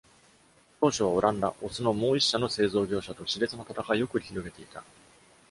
当初は、オランダ、オスのもう一社の製造業者と熾烈な戦いを繰り広げていた。